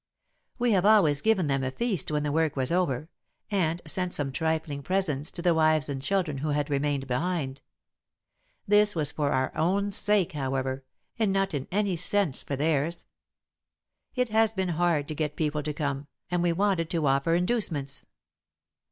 "We have always given them a feast when the work was over, and sent some trifling presents to the wives and children who had remained behind. This was for our own sake, however, and not in any sense for theirs. It has been hard to get people to come, and we wanted to offer inducements.